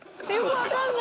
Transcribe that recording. わかんない。